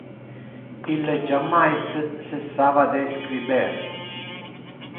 Ille jammais cessava de scriber.